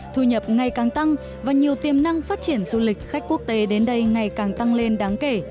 thu nhập ngày càng tăng và nhiều tiềm năng phát triển du lịch khách quốc tế đến đây ngày càng tăng lên đáng kể